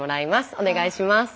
お願いします。